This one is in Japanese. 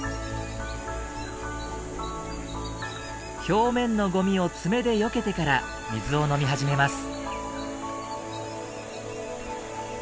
表面のゴミを爪でよけてから水を飲み始めます。